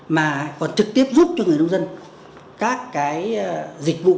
mà còn trực tiếp giúp cho người nông dân các cái dịch vụ